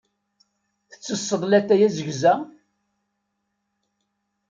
Tettesseḍ latay azegza?